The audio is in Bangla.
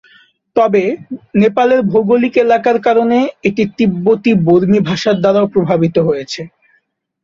তবে, নেপালের ভৌগোলিক এলাকার কারণে, এটি তিব্বতী-বর্মী ভাষার দ্বারাও প্রভাবিত হয়েছে।